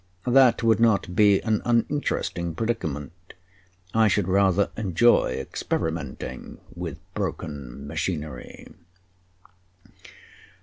"That would not be an uninteresting predicament. I should rather enjoy experimenting with broken machinery."